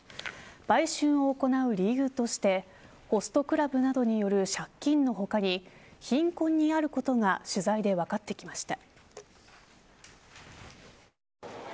売春を行う理由としてホストクラブなどによる借金の他に貧困にあることが取材で分かってきました。